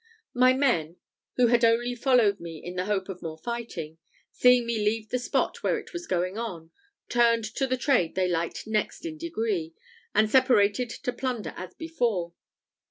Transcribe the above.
My men, who had only followed me in the hope of more fighting, seeing me leave the spot where it was going on, turned to the trade they liked next in degree, and separated to plunder as before.